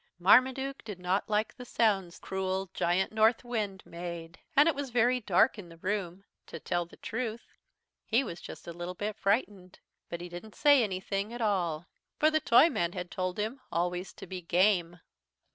Marmaduke did not like the sounds cruel Giant Northwind made. And it was very dark in the room. To tell the truth he was just a little bit frightened. But he didn't say anything at all. For the Toyman had told him always to be "game."